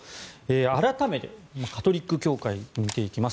改めて、カトリック教会を見ていきます。